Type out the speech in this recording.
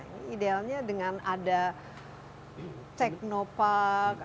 ini idealnya dengan ada cek nopac